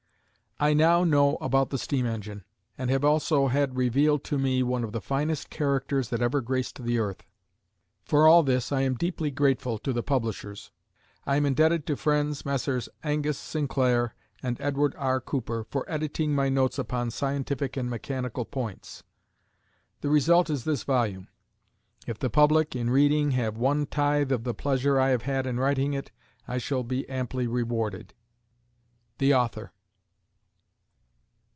I now know about the steam engine, and have also had revealed to me one of the finest characters that ever graced the earth. For all this I am deeply grateful to the publishers. I am indebted to friends, Messrs. Angus Sinclair and Edward R. Cooper, for editing my notes upon Scientific and Mechanical points. The result is this volume. If the public, in reading, have one tithe of the pleasure I have had in writing it, I shall be amply rewarded. THE AUTHOR.